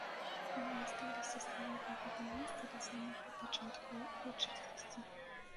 Яны асталіся стаяць на гэтым месцы да самага пачатку ўрачыстасці.